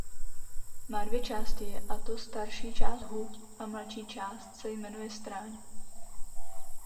Má dvě části a to starší část Huť a mladší část se jmenuje Stráň.